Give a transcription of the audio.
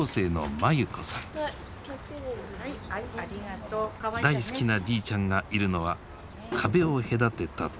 大好きなじいちゃんがいるのは壁を隔てた隣。